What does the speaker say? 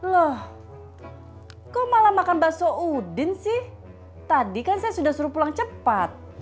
loh kok malah makan bakso udin sih tadi kan saya sudah suruh pulang cepat